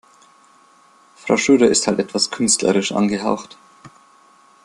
Frau Schröder ist halt etwas künstlerisch angehaucht.